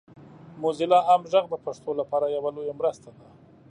موزیلا عام غږ د پښتو لپاره یوه لویه مرسته ده.